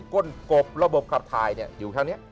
ก้นกบระบบคลับทายอยู่ทางนี้